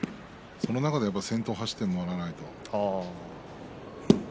その中で先頭を走ってもらわないと。